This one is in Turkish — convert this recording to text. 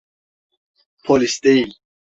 Polis değil.